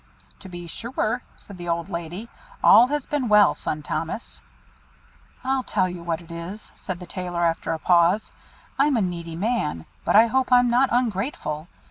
"To be sure," said the old lady; "all has been well, son Thomas." "I'll tell you what it is," said the Tailor, after a pause. "I'm a needy man, but I hope I'm not ungrateful.